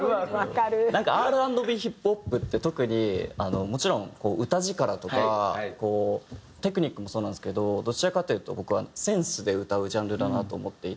なんかＲ＆Ｂヒップホップって特にもちろん歌力とかテクニックもそうなんですけどどちらかというと僕はセンスで歌うジャンルだなと思っていて。